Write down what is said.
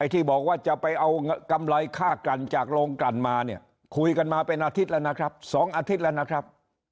ที่บอกว่าจะไปเอากำไรค่ากันจากโรงกลั่นมาเนี่ยคุยกันมาเป็นอาทิตย์แล้วนะครับ๒อาทิตย์แล้วนะครับ